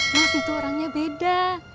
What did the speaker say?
mas itu orangnya beda